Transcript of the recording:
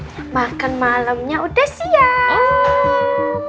makan malamnya udah siap